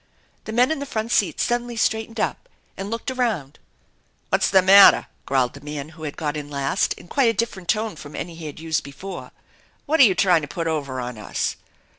The men in the front seat suddenly straightened up antf looked around. "What's the matter?" growled the man who had got in last in quite a different tone from any he had used before * c What you tryin' to put over on us